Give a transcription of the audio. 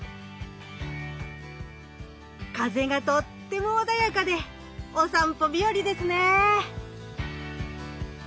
風がとっても穏やかでお散歩日和ですね。